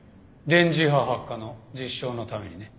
電磁波発火の実証のためにね。